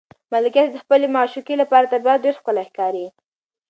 ملکیار ته د خپلې معشوقې لپاره طبیعت ډېر ښکلی ښکاري.